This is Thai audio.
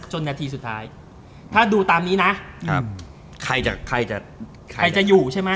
นาทีสุดท้ายถ้าดูตามนี้นะครับใครจะใครจะใครจะอยู่ใช่ไหม